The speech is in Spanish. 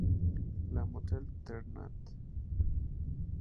La Motte-Ternant